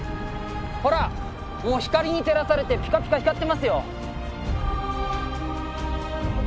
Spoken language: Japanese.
ほら光に照らされてピカピカ光ってますよ。